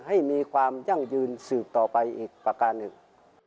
ให้มีความยั่งยืนสืบต่อไปอีกประการหนึ่ง